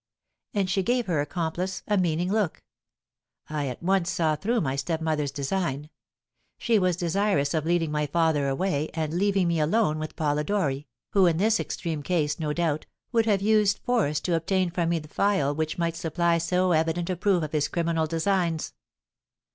And she gave her accomplice a meaning look. I at once saw through my stepmother's design. She was desirous of leading my father away, and leaving me alone with Polidori, who, in this extreme case, no doubt, would have used force to obtain from me the phial which might supply so evident a proof of his criminal designs.